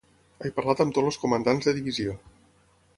He parlat amb tots els comandants de divisió.